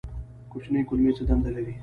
کوچنۍ کولمې څه دنده لري؟